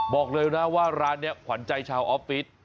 บอกเลยนะว่าร้านนี้ขวัญใจชาวออฟฟิศ